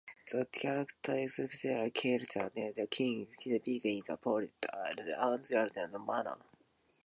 The characters, especially Kell and the king, speak in a polite and restrained manner.